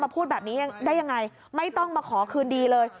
พูดแบบนี้ได้ยังไงไม่ต้องมาขอคืนดีเลย